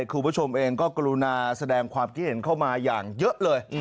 คุณผู้ชมเองก็กรุณาแสดงความคิดเห็นเข้ามาอย่างเยอะเลย